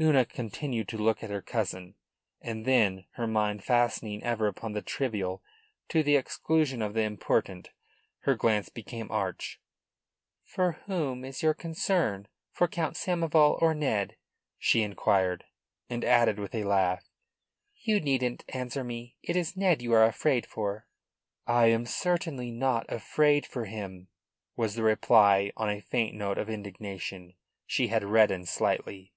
Una continued to look at her cousin, and then, her mind fastening ever upon the trivial to the exclusion of the important, her glance became arch. "For whom is your concern? For Count Samoval or Ned?" she inquired, and added with a laugh: "You needn't answer me. It is Ned you are afraid for." "I am certainly not afraid for him," was the reply on a faint note of indignation. She had reddened slightly.